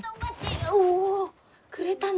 おおくれたの？